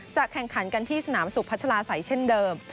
แข่งขันกันที่สนามสุพัชลาศัยเช่นเดิม